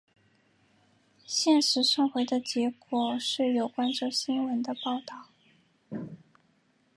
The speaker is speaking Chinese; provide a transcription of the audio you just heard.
现时送回的结果是有关这新闻的报道。